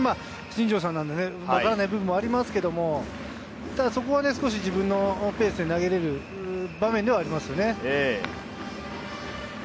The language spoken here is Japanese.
新庄さんなんでわからない部分もありますけれど、ただそこは自分のマイペースに投げれる場面ではありますよね。